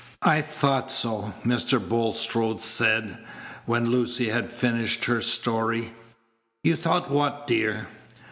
"I thought so!" Mr. Bulstrode said, when Lucy had finished her story. "You thought what, dear?"